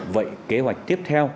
vậy kế hoạch tiếp theo